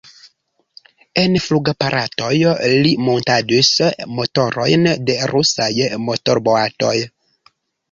En flugaparatoj li muntadis motorojn de rusaj motorboatoj.